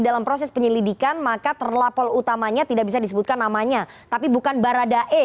dalam proses penyelidikan maka terlapor utamanya tidak bisa disebutkan namanya tapi bukan baradae